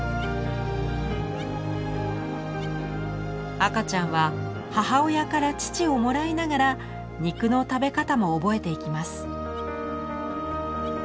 赤ちゃんは母親から乳をもらいながら肉の食べ方も覚えていきます。